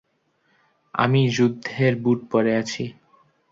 আমি যুদ্ধের বুট পরে আছি।